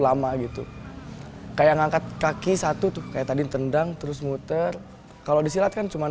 lama gitu kayak ngangkat kaki satu tuh kayak tadi tendang terus muter kalau disilatkan cuma